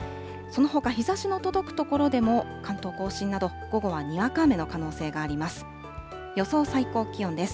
そのほか日ざしの届く所でも、関東甲信など、午後はにわか雨の可能性があります。